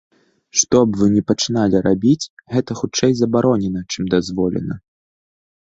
Што б вы ні пачыналі рабіць, гэта хутчэй забаронена, чым дазволена.